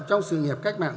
trong sự nghiệp cách mạng